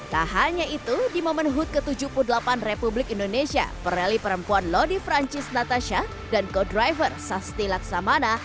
tak hanya itu di momen hut ke tujuh puluh delapan republik indonesia perali perempuan lodi francis natasha dan co driver sasti laksamana